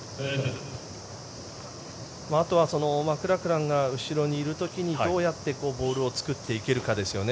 あとはマクラクランが後ろにいる時にどうやってボールを作っていけるかですよね。